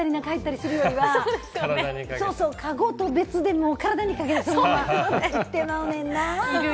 何回も外でたり、中に入ったりするよりはカゴと別でも体にかけてそのまま行ってまうねんな。